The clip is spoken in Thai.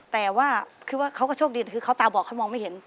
แต่ว่าคือว่าเขาก็โชคดีคือเขาตาบอดเขามองไม่เห็น